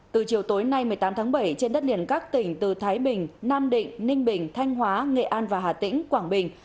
từ chiều tối nay một mươi tám tháng bảy trên đất liền các tỉnh từ thái bình nam định ninh bình thanh hóa nghệ an và hà tĩnh quảng bình